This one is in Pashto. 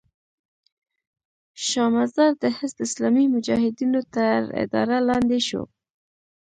شا مزار د حزب اسلامي مجاهدینو تر اداره لاندې شو.